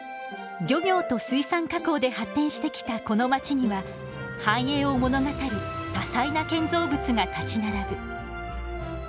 漁業と水産加工で発展してきたこの街には繁栄を物語る多彩な建造物が立ち並ぶ。